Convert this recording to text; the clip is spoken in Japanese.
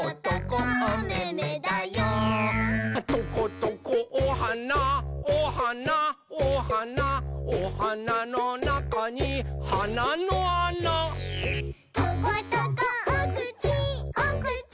「トコトコおはなおはなおはなおはなのなかにはなのあな」「トコトコおくちおくち